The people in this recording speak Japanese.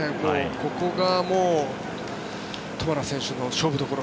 ここがもうトマラ選手の勝負どころ。